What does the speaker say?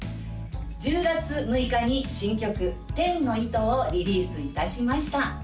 １０月６日に新曲「天の糸」をリリースいたしました